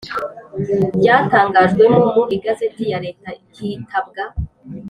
Ryatangajwemo mu igazeti ya leta hitabwa